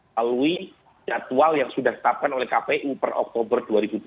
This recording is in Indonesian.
lalu jadwal yang sudah ditetapkan oleh kpu per oktober dua ribu dua puluh